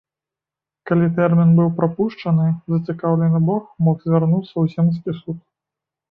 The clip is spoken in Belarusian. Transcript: Калі тэрмін быў прапушчаны, зацікаўлены бок мог звярнуцца ў земскі суд.